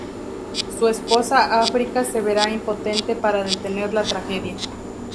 Su esposa África se vera impotente para detener la tragedia.